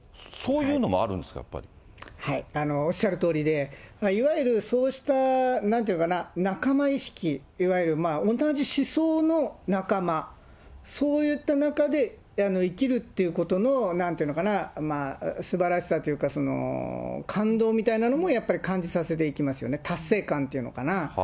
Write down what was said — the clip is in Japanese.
おっしゃるとおりで、いわゆるそうしたなんていうのかな、仲間意識、いわゆる、同じ思想の仲間、そういった中で生きるっていうことの、なんというのかな、すばらしさというか、感動みたいなのもやっぱり感じさせていきますよね、達成感というのかな。